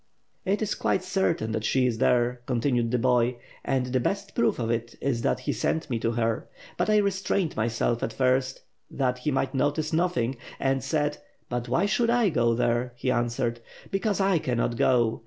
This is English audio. "It is quite certain that she is there," continued the boy. 640 ^^^^^^^^^^^^ SWORD. 'Suid the best proof of it is that he sent me to her. But I restrained myself at first, that he might notice nothing, and said: *But why should I go there?' He answered, 'Because I cannot go.